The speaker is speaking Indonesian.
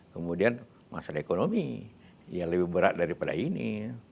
kemudian masalah ekonomi yang lebih berat daripada ini